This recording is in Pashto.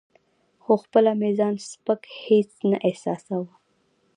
خو خپله مې ځان سپک هیڅ نه احساساوه.